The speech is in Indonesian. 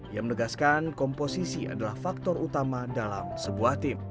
ia menegaskan komposisi adalah faktor utama dalam sebuah tim